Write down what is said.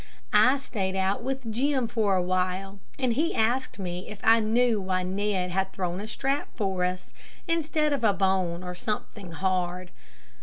I stayed out with Jim for a while, and he asked me if I knew why Ned had thrown a strap for us, instead of a bone or something hard.